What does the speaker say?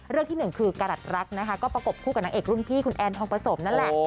ที่หนึ่งคือกรัฐรักนะคะก็ประกบคู่กับนางเอกรุ่นพี่คุณแอนทองประสมนั่นแหละ